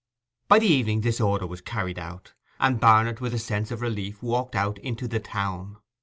By the evening this order was carried out, and Barnet, with a sense of relief, walked out into the town.